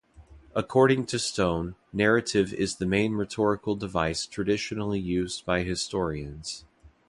According to Stone, narrative is the main rhetorical device traditionally used by historians.